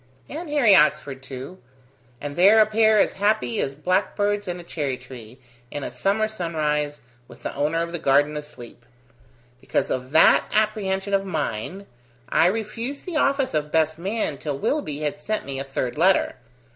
"And Harry Oxford too. And they're a pair as happy as blackbirds in a cherry tree, in a summer sunrise, with the owner of the garden asleep. Because of that apprehension of mine, I refused the office of best man till Willoughby had sent me a third letter.